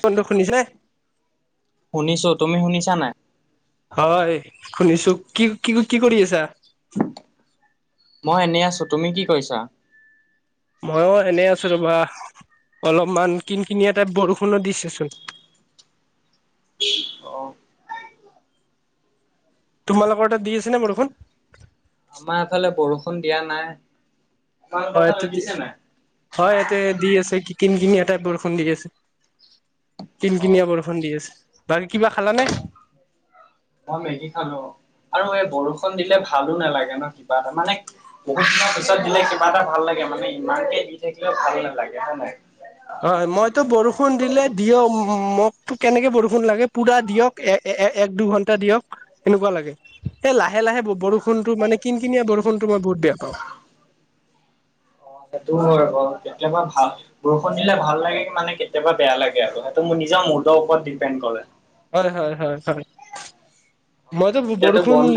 Phone টো শুনিছে। শুনিছো তুমি শুনিছা নাই। হয়, শুনিছো, কি কি কি কৰি আছা। মই এনেই আছো, তুমি কি কৰিছা। মইও এনে আছো ৰবা, অলপমান কিন কিনিয়া টাইপ বৰষুণো দিছেচোন। অ। তোমালোকৰ তাত দি আছে নে বৰষুণ। আমাৰ এফালে বৰষুণ দিয়া নাই। তোমালোকৰ হয় ফালে তিতি। দিছে নাই? হয় ইয়াতে দি আছে কিন কিনিটাই বৰষুণ দি আছে, অ' কিনকিনীয়া বৰষুণ। বৰষুন দি আছে, বাকী কিবা খালা নে? অ মেগী খালো, আৰু এই বৰষুণ দিলে ভালো নালাগে ন কিবা এটা মানে- বহুত দিনৰ পিছত দিলে কিবা এটা ভাল লাগে মানে ইমানকে দি থাকিলে ভাল নালাগে হে নাই। হয়, মইতো বৰষুণ দিলে দিয়ক মোকতো এনেকে বৰষুণ লাগে পুৰা দিয়ক। এ এ এক দুঘণ্টা দিয়ক। এনেকুৱা লাগে, এ লাহে লাহে বৰষুণটো মানে কিন কিনিয়া বৰষুণটো মই বহুত বেয়া পাওঁ। অ সেইটো হয় বাৰু। কেতিয়াবা ভাল-ভাল বৰষুণ দিলে ভাল লাগে কি মানে কেতিয়াবা বেয়া লাগে আৰু সেইটো নিজৰ ওপৰত ডিপেণ্ড কৰে। হয় হয় হয় হয়, মইতো এতিয়াতো বৰষুণ বন্ধ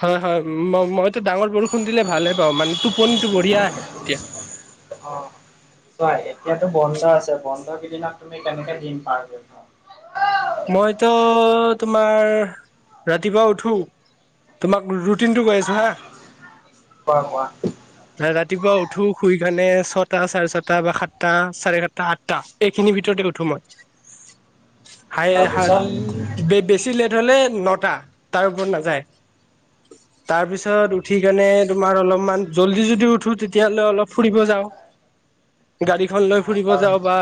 হয় হয়, ম মইতো ডাঙৰ বৰষুণ দিলে ভালে পাওঁ মানে টোপনিটো বঢ়িয়া আহে তেতিয়া। অঁ। হয়, এতিয়াটো বন্ধ আছে বন্ধ কেইদিনত তুমি কেনেকে দিন পাৰ কৰিম। মইতো তোমাৰ ৰাতিপুৱা উঠো, তোমাক ৰুটিনতো কৈ আছো হাঁ। কোৱা কোৱা? ৰাতিপুৱা উঠো শুই পিনে ছটা, চাৰে ছটা বা সাতটা, চাৰে সাতটা, আঠটা- এইখিনিৰ ভিতৰতে উঠো মই। হাই তাৰপিছত বেছি লেট হ'লে নটা তাৰ ওপৰত নাযায়। উমঁ। তাৰ পিছত উঠি কিনে তোমাৰ অলপমান জল্দি যদি উঠো তেতিয়াহ'লে অলপ ফুৰিব যাওঁ। গাড়ীখন লৈ অ ফুৰিব তাৰ যাওঁ বা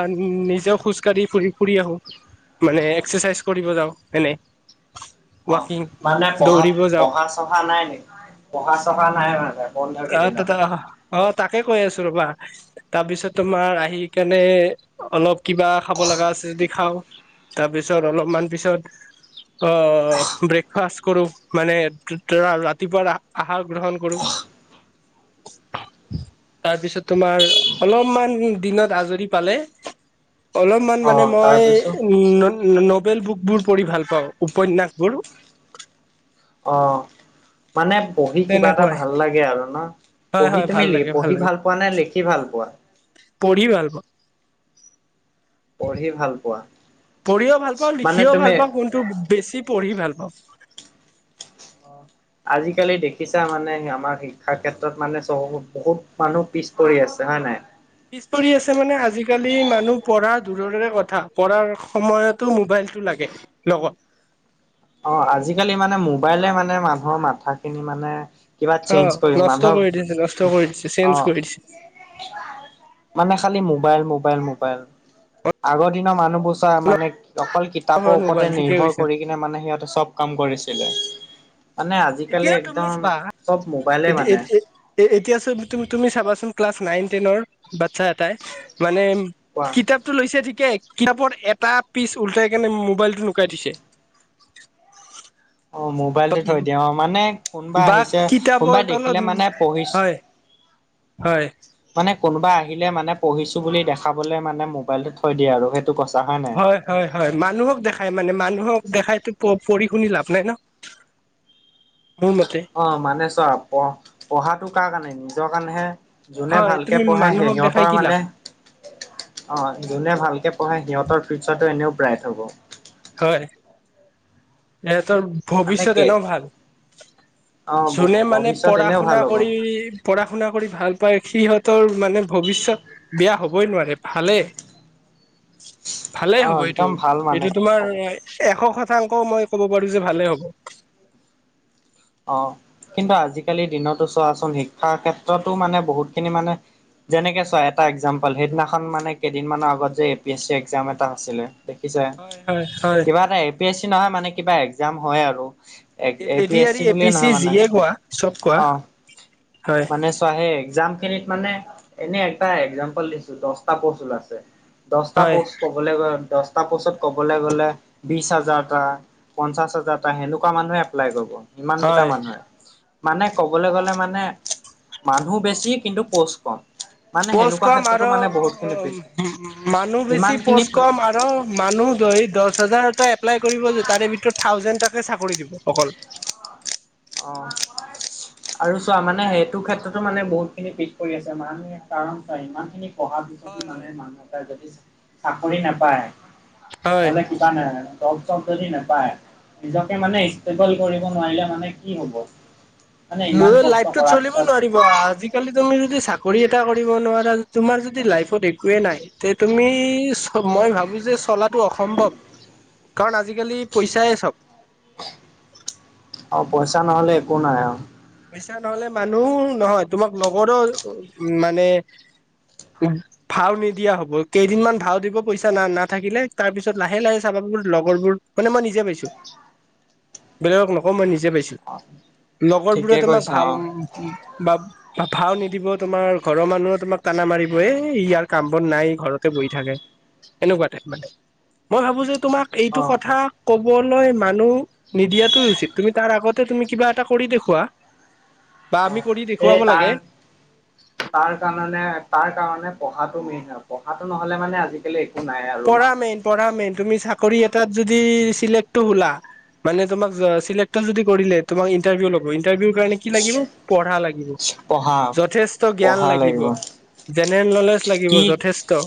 নিজেও খোজ কাঢ়ি ঘূৰি ফুৰি আহো। মানে এক্সাৰচাইজ কৰিব যাওঁ এনেই। অ মানে পঢ়া, পঢ়া চহা নাই নেকি? পঢ়া চহা তাকে নাই মানে বন্ধৰ আহ কেইদিন। ত অ তাকে কৈ আছোঁ ৰ'বা। তাৰ পিছত তোমাৰ আহি কেনে, অলপ কিবা খাব লগা আছে যদি খাওঁ। তাৰপিছত অলপমান পিছত- আহ ব্ৰেকফাষ্ট কৰো মানে ৰা ৰাতিপুৱাৰ আহাৰ গ্ৰহণ কৰো। তাৰপিছত তোমাৰ অলপমান দিনত আজৰি পালে- অলপমান অ মানে মই- তাৰপিছত উম নবেল বুকবোৰ পঢ়ি ভাল পাওঁ উপন্যাসবোৰ। অ মানে পঢ়ি কিবা এটা তেনেকুৱাই ভাল লাগে আৰু ন। হয় পঢ়ি হয় ভাল লাগে লাগে ভাল পোৱা নে লিখি ভাল পোৱা? পঢ়ি ভাল পাওঁ। পঢ়ি ভাল পোৱা পঢ়িও ভাল পাওঁ, মানে লিখিও ভাল তুমি পাওঁ, কোন- টো বেছি পঢ়ি ভাল পাওঁ। আজিকালি দেখিছা মানে আমাৰ শিক্ষাৰ ক্ষেত্ৰত মানে বহুত মানুহ পিছ পৰি আছে হয় নাই। পিছ পৰি আছে মানে আজিকালি মানুহ পঢ়া দূৰৰে কথা পঢ়াৰ সময়তো মোবাইলটো লাগে- লগত। অঁ', আজিকালি মানে মোবাইলে মানে মানুহৰ মাথা খিনি মানে- কিবা অ চেঞ্জ কৰিম, নষ্ট মানুহক কৰি দিছে নষ্ট কৰি দিছে চেঞ্জ অঁ। কৰি দিছে মানে খালি মোবাইল, মোবাইল, মোবাইল, আগৰ দিনৰ মানুহ বস্তু- মানে অকল কিতাপৰ ওপৰতে মোবাইল ঠিকে নিৰ্ভৰ কৈছা কৰি কিনে মানে- সিহঁতে চব কাম কৰিছিলে। মানে আজিকালি এতিয়া তুমি একদম চোৱা চব মোবাইলে এতি- মানে। এ- এ- এ এতিয়া চোন তুমি চাবাচোন ক্লাছ নাইন, টেনৰ বাচ্ছা এটাই মানে কোৱা কিতাপ টো লৈছে ঠিকে কিতাপৰ এটা পিচ উলটাই কেনে মোবাইলটো লুকাই দিছে অ', ম', মোবাইলটো থৈ দিয়ে মানে কোনোবা বা আহিছে কিতাপৰ কোনোবাই তলত দেখিলে মানে পঢ়ি হয় হয় মানে কোনোবা আহিলে মানে পঢ়িছো বুলি দেখাবলৈ মানে মোবাইলটো থৈ দিয়ে আৰু সেইটো কৈছা হয় নাই? হয় - হয়, মানুহক দেখাই মানে মানুহক দেখাইতো পঢ়ি শুনি লাভ নাই ন। মোৰ মতে অ', মানে চোৱা পঢ় পঢ়াটো কাৰ কাৰণে নিজৰ কাৰণেহে যোনে হয় তুমি ভালকে পঢ়ে সেই মানুহক দেখাই সিহঁতৰ কি লাভ মানে অ', যোনে ভালকে পঢ়ে সিহঁতৰ ফিউচাৰটো এনেও ব্ৰাইট হ'ব। হয়, হেঁতৰ মানে ভৱিষ্যত কি এনেও ভাল, অ যোনে মানে ভৱিষ্যত পঢ়া এনেও ভাল শুনা হ'ব কৰি পঢ়া শুনা কৰি ভাল পায় সিহঁতৰ মানে ভৱিষ্যত বেয়া হ'বই নোৱাৰে ভালেই [inaudible] ভালেই হ'ব এইটো একদম ভাল মানে এইটো তোমাৰ কব এশ শতাংশ মই ক'ব পাৰো যে ভালেই হ'ব। অ', কিন্তু আজিকালিৰ দিনতো চোৱাচোন শিক্ষাৰ ক্ষেত্ৰতো মানে বহুত খিনি মানে যেনেকে চোৱা এটা এক্সাম্পল সেইদিনাখন মানে কেইদিনমানৰ আগত যে A P S C exam এটা আছিলে দেখিছা হয় হয় হয় কিবা এটা এপ এ পি এছ চি নহয় মানে কিবা এক্সাম হয় আৰু A P AD S R C A P বুলিয়ে নহয় মানে যিয়ে কোৱা চব কোৱা অ', হয় মানে তাৰ সেই এক্সাম খিনিত মানে এনেই এটা এক্সামম্পল দিছোঁ দশটা পষ্ট উলাইছে দশটা হয় প'ষ্ট ক'বলৈ গ'লে দশটা পোষ্টত কবলৈ গ'লে বিশ হাজাৰটা পঞ্চাশ হাজাৰটা সেনেকুৱা মানুহে এপ্লাই কৰিব ইমান কেইটা হয় মানুহে মানে ক'বলৈ গ'লে মানে মানুহ বেছি কিন্তু পোষ্ট কম। মানে পষ্ট সেনেকুৱা কম ক্ষেত্ৰতো আৰু মানে বহুত খিনি উম, পিছ মানুহ ইমান বেছি খিনি পষ্ট কম আৰু অ', মানুহ যদি দশ হাজাৰটা এপ্লাই কৰিব যে তাৰে ভিতৰত থাউজেণ্ডাকে চাকৰি দিব অকল। অ', আৰু চোৱা মানে সেইটো ক্ষেত্ৰতো মানে বহুত খিনি পিছপৰি আছে মানে কাৰণ চোৱা ইমান খিনি পঢ়াৰ পিছতো হয় মানে হয় মানুহ এটাই যদি চাকৰি নাপায় হয় তেনেহলে [unintelligible] জব-চপ যদি নাপায়, নিজকে মানে ষ্টেবল কৰিব নোৱাৰিলে মানে কি হ'ব? মানে ইমান মোৰ কষ্ট লাইফটোত কৰাৰ চলিব পিছত নোৱাৰি আজিকালি তুমি যদি চাকৰি এটা কৰিব নোৱাৰা, তোমাৰ যদি লাইফত একোৱে নাই। তে তুমি চব মই ভাবিছোঁ চলাটো অসম্ভৱ কাৰণ আজিকালি পইচাই চব। অ', পইচা নহলে একো নাই আৰু। পইচা নহলে মানুহ নহয় তোমাক লগৰো মানে ভাও নিদিয়া হব, কেইদিনমান ভাও দিব পইচা না নাথাকিলে, তাৰ পিছত লাহে লাহে চাবা চোন লগৰবোৰ মানে মই নিজে পাইছোঁ, বেলেগক নকওঁ মই নিজে পাইছোঁ। অ', ঠিকে কৈছা অ', [inaudible] ভাও নিদিব তোমাৰ ঘৰৰ মানুহে তোমাক টানা মাৰিব, এ ইয়াৰ কাম-বন নাই ঘৰতে বহি থাকে। এনেকুৱা তাইপ মানে, মই ভাবো যে তোমাক অ এইটো কথা ক'বলৈ মানুহ নিদিয়াটো উচিত, তুমি তাৰ আগতে তুমি কিবা এটা কৰি দেখুওৱা বা অ', আমি কৰি সেই দেখুৱাব তাৰ লাগে তাৰ কানণে তাৰ কাৰণে পঢ়াটো মেইন আও পঢ়াটো নহ'লে মানে আজিকালি নাই আৰু ন পঢ়া মেইন পঢ়া মেইন, তুমি চাকৰি এটাত যদি চিলেক্টটো হোলা মানে তোমাক চিলেক্ট যদি কৰিলে তোমাক ইটাৰভিউ ল'ব, ইণ্টাৰভিউৰ কাৰণে কি লাগিব? পঢ়া লাগিব পঢ়া যথেষ্ট জ্ঞান লাগিব। জেনেৰেল নলেজ লাগিব কি যথেষ্ট,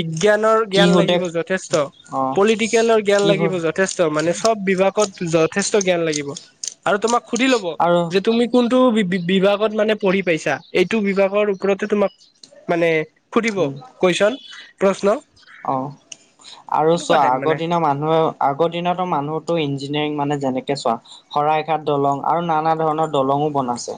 বিজ্ঞানৰ কি জ্ঞান সোধে লাগিব যথেষ্ট, অ পলিটিকেলৰ জ্ঞান কি লাগিব সোধ য- যথেষ্ট। মানে চব বিভাগত যথেষ্ট জ্ঞান লাগিব আৰু তোমাক সুধি ল'ব আৰু যে তুমি কোনটো বি বিভাগত মানে পঢ়ি পাইছা, এইটো বিভাগৰ ওপৰত তোমাক মানে সুধিব উম কুৱেশ্যন, প্ৰশ্ন। অ আৰু তেনেকুৱা চোৱা টাইপ মানে আগৰ দিনা মানুহ আগৰ দিনতো মানুহতটো ইঞ্জিনিয়াৰিং মানে যেনেকে চোৱা। শৰাইঘাট দলং আৰু নানা ধৰণৰ দলং বনাইছে।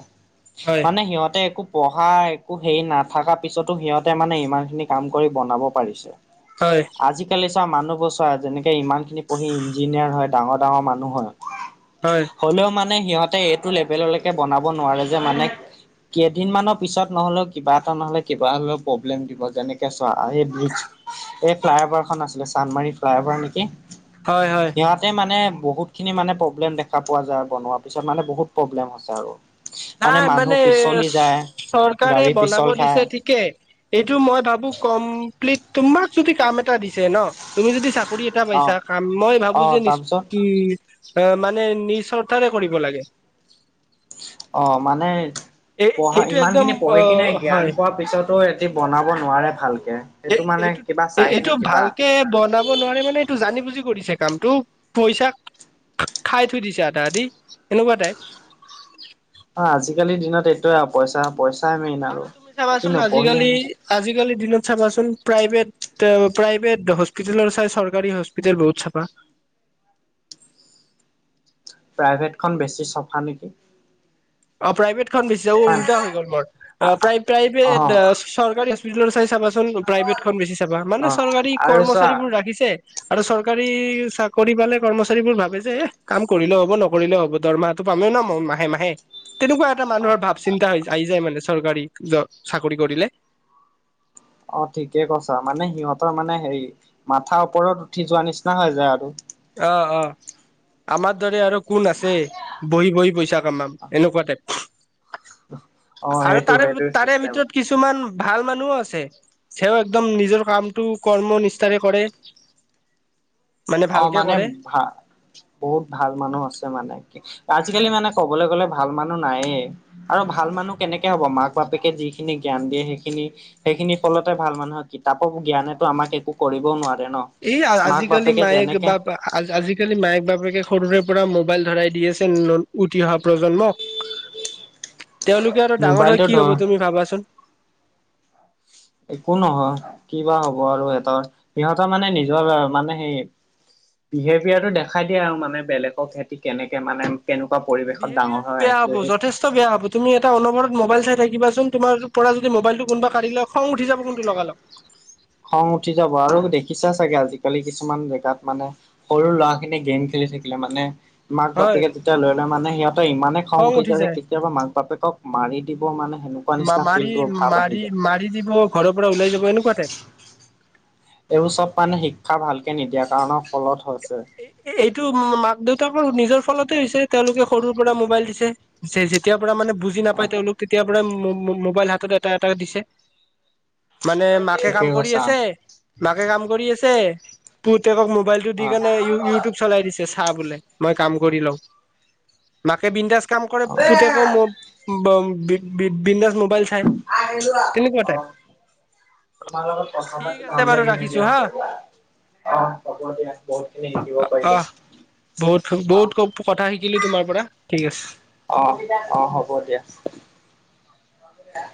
হয় মানে সিহঁতে একো পঢ়া একো হেৰি নাথকা পিছতো সিহঁতে মানে ইমান খিনি কাম কৰি বনাব পাৰিছে। হয়। আজিকালি চোৱা মানুহবোৰ চোৱা যেনেকে ইমান খিনি পঢ়ি ইঞ্জিনিয়াৰ হয়, ডাঙৰ ডাঙৰ মানুহ হয়। হয়। হ'লেও মানে সিহঁতে এইটো লেভেললৈকে বনাব নোৱাৰে যে মানে? কেইদিনমানৰ পিছত নহলেও কিবা এটা নহ'লে কিবা হলেও প্ৰব্লেম দিব যেনেকে চোৱা এই বোজ এই ফ্লাই অভাৰখন আছিলে চান্দমাৰী ফ্লাই অভাৰ নেকি? হয় হয়। সিহঁতে মানে বহুতখিনি মানে প্ৰব্লেম দেখা পোৱা যায় আৰু বনোৱাৰ পিছত মানে বহুত প্ৰব্লেম হৈছে আৰু। নাই মানুহ মানে পিছলি যায় চৰকাৰে গাড়ী পিছল বনাব খায় দিছে ঠিকে এইটো মই ভাবো কমপ্লিট, তোমাক যদি কাম এটা দিছে ন? তুমি যদি চাক- কৰী এটা অ পাইছা কাম, মই অ ভাবো যে নিছ তাৰপিছত উ অ মানে নিসৰ্থাৰে কৰিব লাগে। অ মানে এই পঢ়া এইটো একদম ইমানখিনি অ পঢ়ি কিনে জ্ঞান হয় পোৱাৰ পিছত ত এটি বনাব নোৱাৰে ভালকে। এ সেইটো মানে এইটো কিবা এ চাই কিনে এইটো কিবা ভালকে বনাব ব নোৱাৰে মানে এইটো জানি বুজি কৰিছে কামটো পইচা খা খাই থৈ দিছে আধা আধি সেনেকুৱা টাইপ। অ আজিকালিৰ দিনত এইটোয়ে আৰু পইচা, পইচ- আৰু তুমি চাবাচোন আজিকালি, আজিকালি দিনত চাবাচোন প্ৰাইভেট টোৱে প্ৰাইভেট হস্পিতেলৰ চাই চৰকাৰী হস্পিতেল বহুত চাফা। প্ৰাইভেট খন বেছি চফা নেকি? অ প্ৰাইভেট খন বেছি যাব হয় উল্টা হৈ গ'ল, মোৰ প্ৰ অ প্ৰাইভেট চৰকাৰী হস্পিতালত চাই চাবা চোন প্ৰাইভেট খন বেছি চাবা অ মানে চৰকাৰী আৰু চোৱা কৰ্মচাৰীবোৰ ৰাখিছে। আৰু চৰকাৰী চাকৰি পালে কৰ্মচাৰী বোৰ ভাবে যে এ কাম কৰিলেও হ'ব নকৰিলেও হ'ব। দৰমহা টো পামে ন ম মাহে মাহে। তেনেকুৱা এটা অ মানুহৰ ভাব চিন্তা হৈ আহি যায়, মানে চৰকাৰী জ চাকৰি কৰিলে। অ ঠিকে কৈছা মানে সিহঁতৰ মানে হেৰি মাথা ওপৰত উঠি যোৱা নিচিনা হৈ যায় আৰু। অ অ, আমাৰ দৰে আৰু কোন আছে বহি বহি পইচা কামাম। এনেকুৱা টাইপ অ আৰু সেইটো তাৰে, সেইটো তাৰে চিষ্টেম। ভিতৰত কিছুমান ভাল মানুহো আছে। চেঅ একদম নিজৰ কামটো কৰ্মনিষ্ঠাৰে কৰে। [inaudible] অ ভালকে মানে কৰে ভা বহুত ভাল মানুহ আছে মানে কি আজিকালি মানে কবলৈ গ'লে ভা- ভাল মানুহ নাইয়ে আৰু ভাল মানুহ কেনেকৈ হ'ব মাক বাপেকে যিখিনি জ্ঞান দিয়ে, সেইখিনি। সেইখিনি ফলতে ভাল মানুহৰ কিতাপৰ জ্ঞানেতো আমাক একো কৰিবও নোৱাৰে ন। এই আ মাক আজিকালি বাপেকে মায়ে যেনেকে কিবা। বা আ আজিকালি মায়েক বাপেকে সৰুৰে পৰা মোবাইল ধৰাই দি আছে ন উঠি অহা প্ৰজন্মক। তেওঁলোকে আৰু ডাঙৰ হৈ মোবাইলটো কি ধৰ হ'ব তুমি ভাবাচোন। একো নহয়! কি বা হ'ব আৰু সিহঁতৰ, সিহঁতৰ মানে নিজৰ মানে সেই বিহেভিয়াৰটো দেখাই দিয়ে আও মানে বেলেগক সিহঁতে কেনেকে মানে। কেনেকুৱা পৰিৱেশত ডাঙৰ হৈ আহিছে! সেই চব বেয়া হব তুমি এটা অনবৰত মোবাইল চাই থিবাচোন তোমাৰ পৰা যদি মোবাইলটো যদি কোবাই কঢ়িলয় খং উঠি যাব কিন্তু লগালগ। খং উঠি যাব আৰু দেখিছা চাগে আজিকালি কিছুমান জেগাত মানে। সৰু ল'ৰাখিনি গেম খেলি থাকিলে মানে। মাক হয় বাপেকে যেতিয়া লৈ ললে মানে সিহঁতে ইমানে খং উঠি যায় যে কেতিয়াবা মাক বাপেকক মাৰি দিব মানে সেনে সেনেকুৱা মা নিচিনা মাৰি ফিল্ডটোৰ ভাৱ আহি মাৰি যায়! মাৰি দিব! ঘৰ পৰা ওলাই যাব সেনেকুৱা টাইপ। এইবোৰ চব মানে শিক্ষা ভালকে নিদিয়াৰ কাৰণৰ ফলত হৈছে! এইটো মা মাক দেউতাকৰ নিজৰ ফলতে হৈছে! তেওঁলোকে সৰুৰ পৰা মোবাইল দিছে! যে যেতিয়া পৰা মানে বুজ বুজি অ নাপায়, তেওঁলোক তেতিয়াৰ পৰা মো, মো মোবাইল হাত এটা, এটা দিছে! মানে মাকে কাম ঠিকেই কৰি কৈছা আছে, মাকে কাম কৰি আছে, পুতেকক মোবাইলটো অ দি কেনে ইউ ইউটিউব চলাই দিছে চা বোলে মই কাম কৰি লওঁ! মাকে বিন্দাছ। কাম কৰে অ পুতেকে মোৰ ব বিন বিন মো মোবাইল চাই আহিলোৱা তেনেকুৱা অ টাইপ। তোমাৰ লগত কথা ঠিক পাতি আছে ভাল বাৰু লাগিলে ৰাখিছো দিয়া! হা অ'হ। হ'ব দিয়া! বহুতখিনি। আহ বহুত বহুত কথা শিকিলোঁ তোমাৰ পৰা ঠিক আছে! অহ', অ'হ হ'ব দিয়া! সঁচা